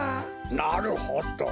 なるほど。